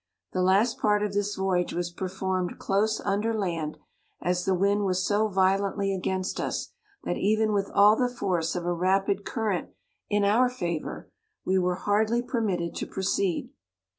The last part of this voyage was per formed close under land, as the wind was so violently against us, that even with all the force of a rapid current in our favour^ we were hardly permitted to proceed.